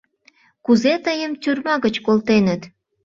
— Кузе тыйым тюрьма гыч колтеныт?